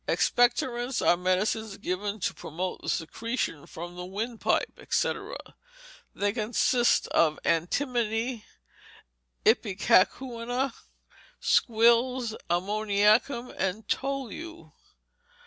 Expectorants are medicines given to promote the secretion from the windpipe, &c. They consist of antimony, ipecacuanha, squills, ammoniacum, and tolu.